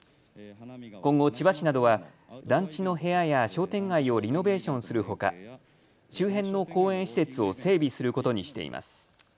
今後、千葉市などは団地の部屋や商店街をリノベーションするほか周辺の公園施設を整備することにしています。